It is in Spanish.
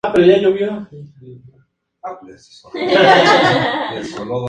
En cualquier caso Mitxelena tenía ciertas dudas sobre esta etimología.